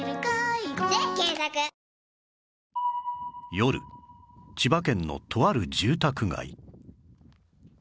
夜千葉県のとある住宅街